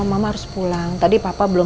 mama harus pulang tadi papa belum